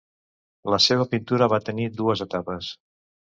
La seva pintura va tenir dues etapes.